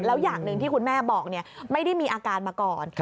แล้วอย่างหนึ่งที่คุณแม่บอกไม่ได้มีอาการมาก่อน